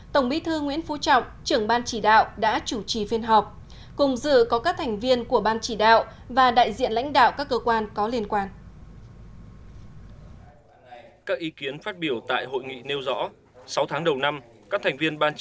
tổng bí thư nguyễn phú trọng trưởng ban chỉ đạo đã chủ trì phiên họp cùng dự có các thành viên của ban chỉ đạo và đại diện lãnh đạo các cơ quan có liên quan